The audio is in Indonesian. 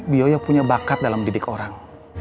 bu yoyo punya bakat dalam didik orang